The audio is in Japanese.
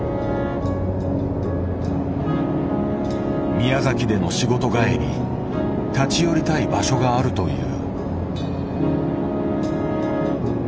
宮崎での仕事帰り立ち寄りたい場所があるという。